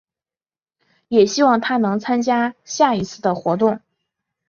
也希望她能参加下一次的活动。